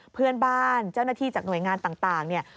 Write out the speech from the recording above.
เพื่อนบ้านเจ้าหน้าที่จากหน่วยงานต่างเนี่ย